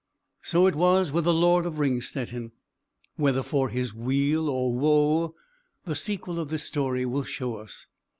So it was with the Lord of Ringstetten; whether for his weal or woe, the sequel of this story will show us.